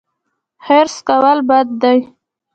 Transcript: حرص کول بد دي